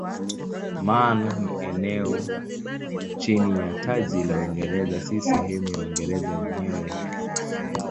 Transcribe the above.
Man ni eneo chini ya taji la Uingereza si sehemu ya Uingereza yenyewe.